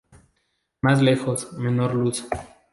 Más lejos, menor luz.